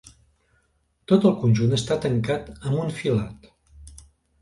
Tot el conjunt està tancat amb un filat.